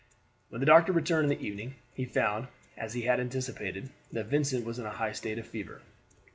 When the doctor returned in the evening, he found, as he had anticipated, that Vincent was in a high state of fever.